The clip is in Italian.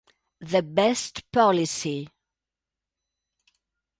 The Best Policy